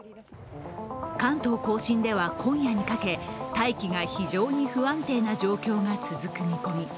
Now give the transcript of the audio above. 関東甲信では今夜にかけ、大気が非常に不安定な状況が続く見込み。